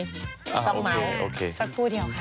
ต้องเมาส์สักครู่เดียวค่ะ